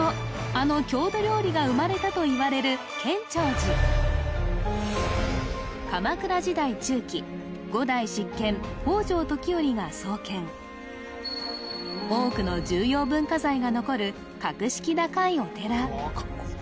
あの郷土料理が生まれたといわれる建長寺鎌倉時代中期多くの重要文化財が残る格式高いお寺